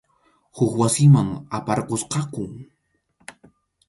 Huk wasiman aparqusqaku.